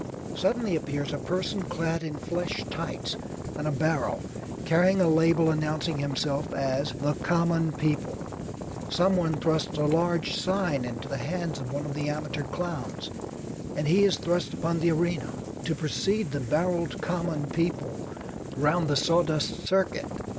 Suddenly appears a person clad in flesh tights and a barrel, carrying a label announcing himself as The Common People. Someone thrusts a large sign into the hands of one of the amateur clowns, and he is thrust upon the arena, to precede the barrelled Common People round the sawdust circuit.